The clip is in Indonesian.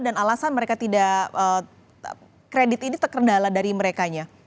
dan alasan mereka tidak kredit ini terkendala dari merekanya